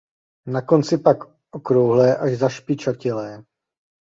Na konci pak okrouhlé až zašpičatělé.